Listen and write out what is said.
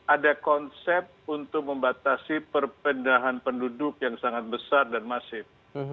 ada konsep untuk membatasi perpendahan penduduk yang sangat besar dan masif